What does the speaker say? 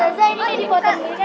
oh ini dibuka